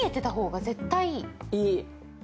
いい。